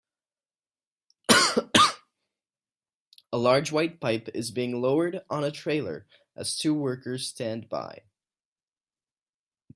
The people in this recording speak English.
A large white pipe is being lowered on a trailer, as two workers stand by.